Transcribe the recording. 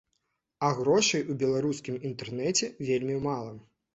А грошай у беларускім інтэрнэце вельмі мала.